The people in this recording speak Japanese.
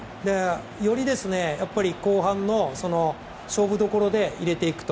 より後半の勝負どころで入れていくと。